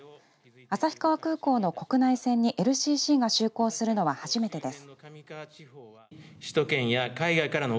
旭川空港の国内線にＬＣＣが就航するのは初めてです。